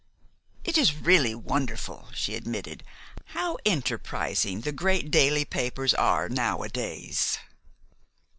"It is really wonderful," she admitted, "how enterprising the great daily papers are nowadays."